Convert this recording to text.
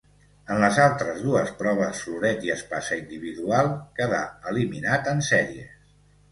En les altres dues proves, floret i espasa individual, quedà eliminat en sèries.